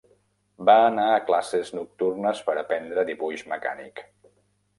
Va anar a classes nocturnes per aprendre dibuix mecànic.